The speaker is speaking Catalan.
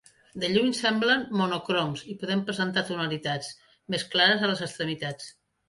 De lluny semblen monocroms, i poden presentar tonalitats més clares a les extremitats.